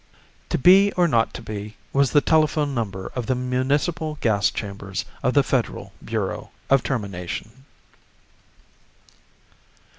"To be or not to be" was the telephone number of the municipal gas chambers of the Federal Bureau of Termination.